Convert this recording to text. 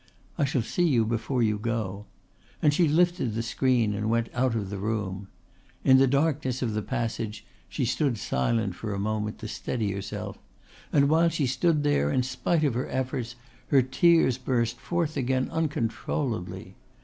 I shall see you before you go," and she lifted the screen and went out of the room. In the darkness of the passage she stood silent for a moment to steady herself and while she stood there, in spite of her efforts, her tears burst forth again uncontrollably.